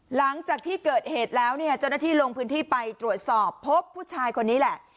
หลังจากที่เกิดเหตุแล้วเนี่ยเจ้าหน้าที่ลงพื้นที่ไปตรวจสอบพบผู้ชายคนนี้แหละ